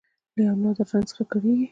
له یو نادر رنځ څخه کړېږي